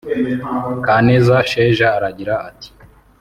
Kaneza Sheja aragira ati